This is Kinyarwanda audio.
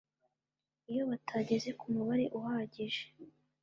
iyo batageze ku mubare uhagije